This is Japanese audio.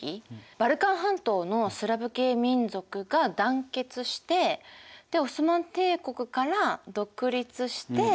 バルカン半島のスラヴ系民族が団結してでオスマン帝国から独立して。